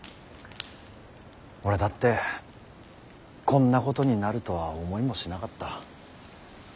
俺だってこんなことになるとは思いもしなかった。